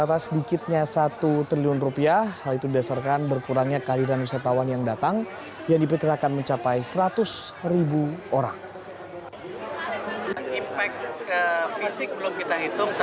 atas sedikitnya satu triliun rupiah hal itu didasarkan berkurangnya kehadiran wisatawan yang datang yang diperkirakan mencapai seratus ribu orang